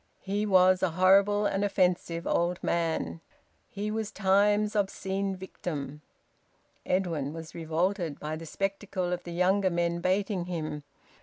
He was a horrible and offensive old man. He was Time's obscene victim. Edwin was revolted by the spectacle of the younger men baiting him.